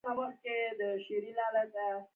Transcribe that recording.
زه د خپل ځان څخه راضي یم.